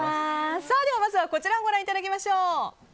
まずはこちらをご覧いただきましょう。